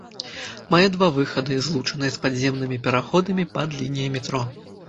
Мае два выхады, злучаныя з падземнымі пераходамі пад лініяй метро.